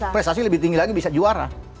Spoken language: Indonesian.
prestasi lebih tinggi lagi bisa juara